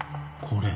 これ。